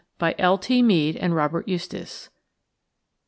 BY L. T. MEADE AND ROBERT EUSTACE.